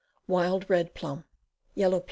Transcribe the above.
Wild Red Plum. Yellow P.